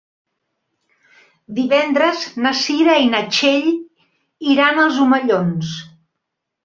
Divendres na Cira i na Txell iran als Omellons.